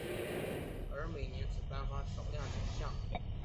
而每年只颁发少量奖项。